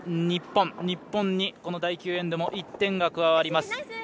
日本に、この第９エンドも１点が加わります。